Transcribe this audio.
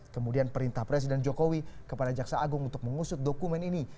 kemudian perintah presiden jokowi kepada jaksa agung untuk mengusut dokumen ini